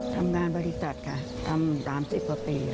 ทำงานบริษัทค่ะทำ๓๐กว่าปี